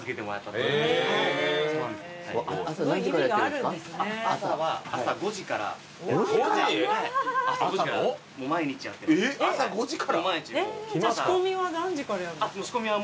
じゃあ仕込みは何時からやるんですか？